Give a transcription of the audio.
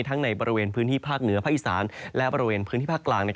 ในบริเวณพื้นที่ภาคเหนือภาคอีสานและบริเวณพื้นที่ภาคกลาง